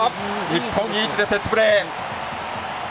日本、いい位置でセットプレー。